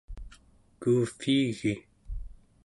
kuuvviigi